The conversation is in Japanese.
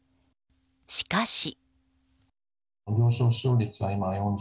しかし。